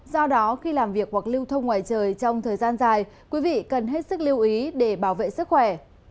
do đó khi làm việc hoặc lưu thông ngoài trời trong thời gian dài quý vị cần hết sức lưu ý để bảo vệ sức khỏe